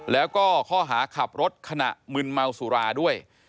แล้วก็ข้อหาขับรถขณะมึนเมาสุราด้วย